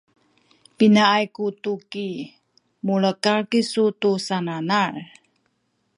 pinaay ku tuki mulekal kisu tu sananal?